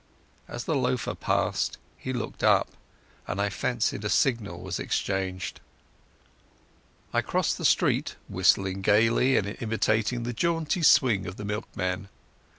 As the loafer passed he looked up, and I fancied a signal was exchanged. I crossed the street, whistling gaily and imitating the jaunty swing of the milkman.